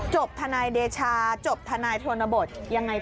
จบธนายเดชาจบธนายทรวณบทยังไงต่อ